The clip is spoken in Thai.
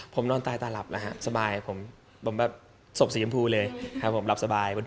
ผมนอนตายตาหลับนะฮะสบายผมสบสียำพูเลยผมหลับสบายปุ้น